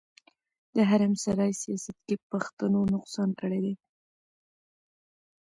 د حرم سرای سياست کې پښتنو نقصان کړی دی.